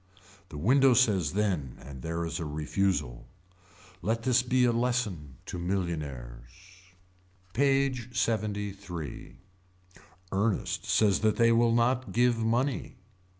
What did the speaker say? The window says then and there is a refusal. Let this be a lesson to millionaires. PAGE LXXIII. Ernest says that they will not give money.